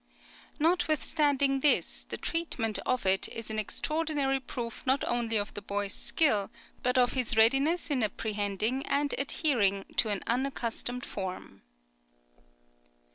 [20038] Notwithstanding this, the treatment of it is an extraordinary proof not only of the boy's skill, but of his readiness in apprehending and adhering to an unaccustomed form.